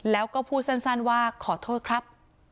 แล้วก็พูดสั้นว่าขอโทษครับ